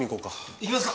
行きますか！